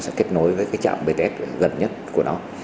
sẽ kết nối với cái trạm bts gần nhất của nó